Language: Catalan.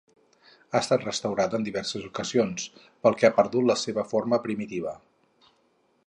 Ha estat restaurada en diverses ocasions, pel que ha perdut la seva forma primitiva.